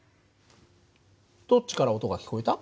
どっちから音が聞こえた？